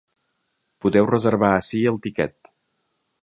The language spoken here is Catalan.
Podeu reservar ací el tiquet.